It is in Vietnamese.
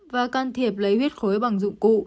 và can thiệp lấy huyết khối bằng dụng cụ